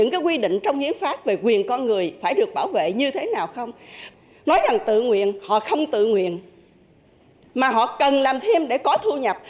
nói rằng tự nguyện họ không tự nguyện mà họ cần làm thêm để có thu nhập